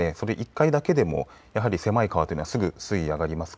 １回だけでも狭い川というのはすでに水位が上がります。